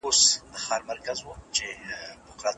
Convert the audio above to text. خپل فرهنګ او کلتور وساتئ.